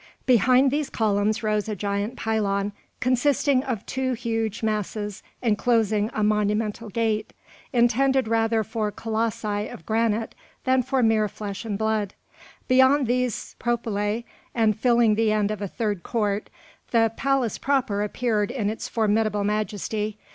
Behind these columns rose a giant pylon, consisting of two huge masses enclosing a monumental gate, intended rather for colossi of granite than for mere flesh and blood. Beyond these propylæa, and filling the end of a third court, the palace proper appeared in its formidable majesty.